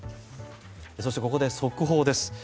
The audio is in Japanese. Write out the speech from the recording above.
そして、ここで速報です。